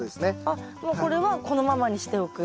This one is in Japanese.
あっもうこれはこのままにしておく？